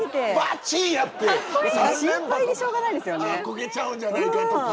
こけちゃうんじゃないかとか？